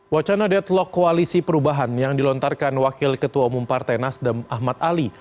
wacana deadlock koalisi perubahan yang dilontarkan wakil ketua umum partai nasdem ahmad ali